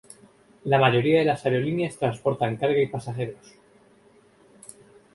La mayoría de las aerolíneas transportan carga y pasajeros.